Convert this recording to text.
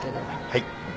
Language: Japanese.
はい。